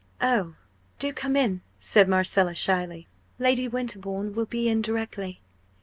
"Oh, do come in!" said Marcella, shyly; "Lady Winterbourne will be in directly."